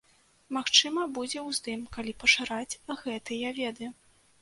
Магчыма будзе ўздым, калі пашыраць гэтыя веды.